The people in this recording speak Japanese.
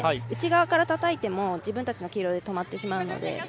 内側からたたいても自分たちの黄色で止まってしまうので。